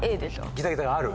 ギザギザがある。